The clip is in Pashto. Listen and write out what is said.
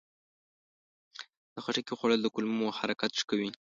د خټکي خوړل د کولمو حرکت ښه کوي.